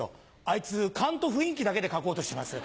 あいつ勘と雰囲気だけで書こうとしてます。